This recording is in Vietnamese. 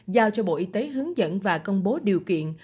giao cho bộ y tế hướng dẫn và công bố điều kiện